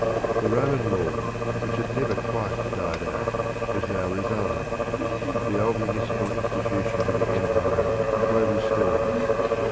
The Roman Law, which had never quite died out, was now revived; the old municipal institutions of the Empire were restored.